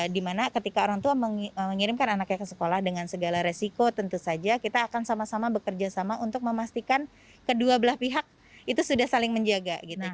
dimana ketika orang tua mengirimkan anaknya ke sekolah dengan segala resiko tentu saja kita akan sama sama bekerja sama untuk memastikan kedua belah pihak itu sudah saling menjaga